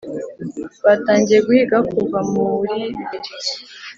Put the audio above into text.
Batangiye guhiga kuva muri bibiri